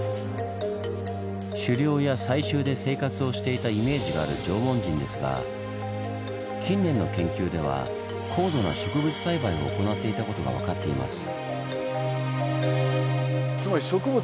狩猟や採集で生活をしていたイメージがある縄文人ですが近年の研究では高度な植物栽培を行っていたことが分かっています。